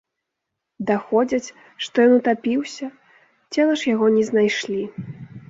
Даходзяць, што ён утапіўся, цела ж яго не знайшлі.